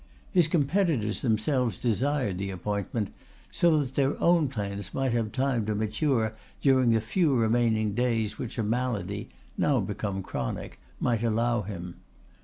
His competitors themselves desired the appointment, so that their own plans might have time to mature during the few remaining days which a malady, now become chronic, might allow him.